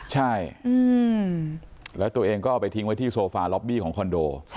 ใช่แล้วตัวเองก็เอาไปทิ้งไว้ที่โซฟาล็อบบี้ของคอนโด